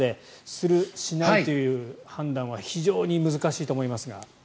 する、しないという判断は非常に難しいと思いますが。